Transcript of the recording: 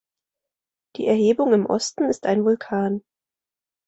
Die Erhebung im Osten ist ein Vulkan.